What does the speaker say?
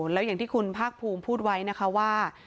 แล้วอย่างที่คุณภาคภูมิพูดไว้นะคะว่า